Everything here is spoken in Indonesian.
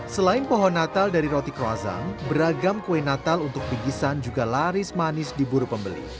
selain pohon natal dari roti croissan beragam kue natal untuk bingkisan juga laris manis di buru pembeli